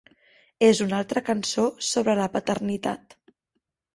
És una altra cançó sobre la paternitat.